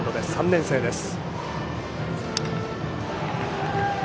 ３年生です。